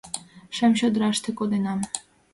«Шем чодыраште коденам